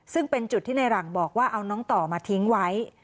ซึ่งเป็นจุดที่ในหลังบอกว่าเอาน้องต่อมาทิ้งไว้